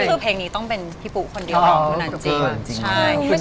เพราะแรงนี้ต้องเป็นพี่ปุ๊คนเดียวกับนั้นจริง